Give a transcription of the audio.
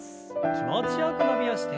気持ちよく伸びをして。